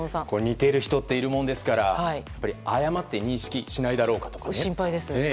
似ている人っているものですから誤って認識しないだろうかと心配です。